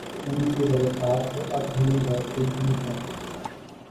ان کی للکار تو اب بھی ویسے ہی ہے۔